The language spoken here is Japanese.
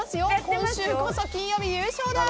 今週こそ金曜日優勝だ！